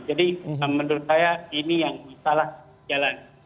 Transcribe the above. jadi menurut saya ini yang salah di jalan